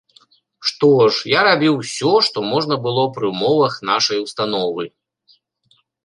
Што ж, я рабіў усё, што можна было пры ўмовах нашай установы.